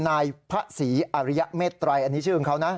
นายพระศรีอริยเมตรัยอันนี้ชื่อของเขานะ